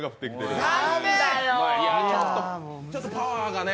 ちょっとパワーがね。